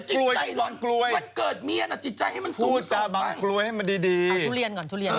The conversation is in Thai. เอาทุเรียนก่อนทุเรียน